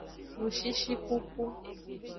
Ngshishikuku.